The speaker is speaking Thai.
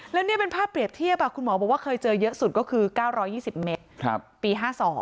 แล้วนี่เป็นภาพเปรียบเทียบคุณหมอบอกว่าเคยเจอเยอะสุดก็คือ๙๒๐เมตรปี๕๒